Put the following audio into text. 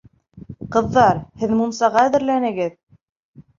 Ҡыҙҙар, һеҙ мунсаға әҙерләнегеҙ!